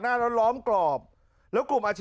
นักเรียงมัธยมจะกลับบ้าน